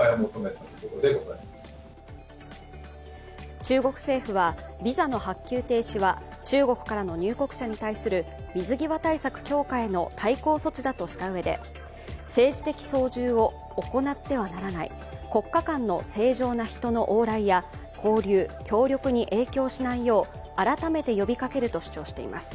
中国政府はビザの発給停止は中国からの入国者に対する水際対策強化への対抗措置だとしたうえで政治的操縦を行ってはならない国家間の正常な人の往来や交流・協力に影響しないよう改めて呼びかけると主張しています。